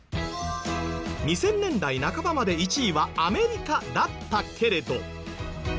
２０００年代半ばまで１位はアメリカだったけれど。